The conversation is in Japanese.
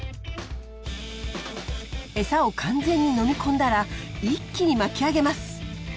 エサを完全に飲み込んだら一気に巻き上げます。